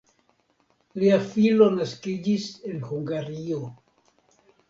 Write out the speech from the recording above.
Lia filo naskiĝis en Hungario.